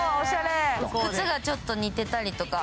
靴がちょっと似てたりとか。